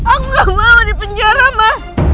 aku gak mau di penjara ma